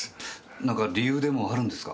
何か理由でもあるんですか？